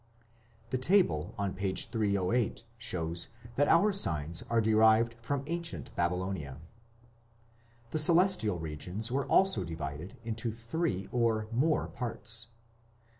The table on p. 308 shows that our signs are derived from ancient Babylonia. The celestial regions were also divided into three or more parts.